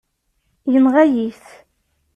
Yenɣa-yi-t.